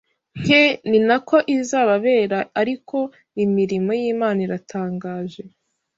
nke ni nako izababera ariko imirimo y’Imana iratangaje